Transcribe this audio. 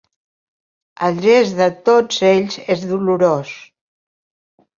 El gest de tots ells és dolorós.